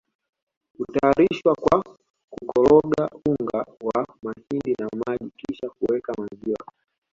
hutayarishwa kwa kukologa unga wa mahindi na maji kisha kuweka maziwa